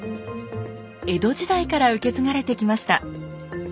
江戸時代から受け継がれてきました。